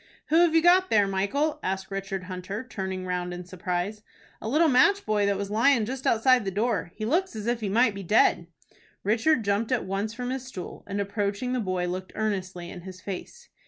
"Who have you got there, Michael?" asked Richard Hunter, turning round in surprise. "A little match boy that was lyin' just outside the door. He looks as if he might be dead." Richard jumped at once from his stool, and, approaching the boy, looked earnestly in his face.